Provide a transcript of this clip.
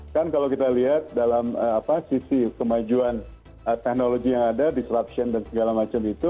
kan kalau kita lihat dalam sisi kemajuan teknologi yang ada disruption dan segala macam itu